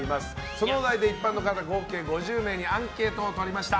そのお題で、一般の方５０名にアンケートをとりました。